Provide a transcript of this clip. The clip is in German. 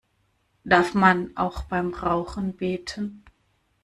Darf man auch beim Rauchen beten?